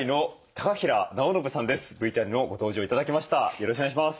よろしくお願いします。